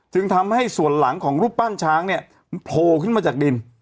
จึงทำให้ส่วนหลังของรูปปั้นช้างเนี่ยมันโผล่ขึ้นมาจากดิน